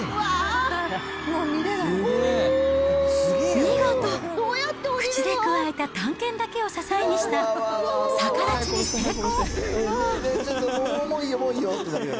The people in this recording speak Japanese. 見事、口でくわえた短剣だけを支えにした逆立ちに成功。